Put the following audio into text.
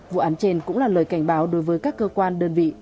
vụ án trên cũng là lời cảnh báo đối với các cơ quan đơn vị